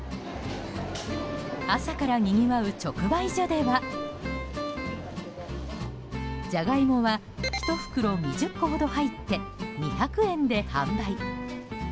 朝からにぎわう直売所ではジャガイモは１袋２０個ほど入って２００円で販売。